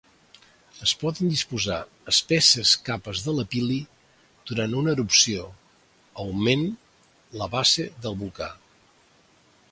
Es poden dipositar espesses capes de lapil·li durant una erupció, augment la base del volcà.